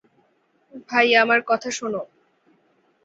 ভাই, আমার কথা শোনো।